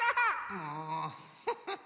もうフフフ！